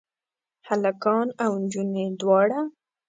هلکان او انجونې دواړه؟